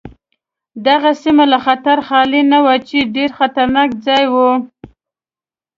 دغه سیمه له خطره خالي نه وه چې ډېر خطرناک ځای و.